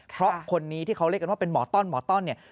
เพราะคนนี้ที่เขาเรียกกันว่าเป็นหมอต้อนหมอต้อนเนี่ย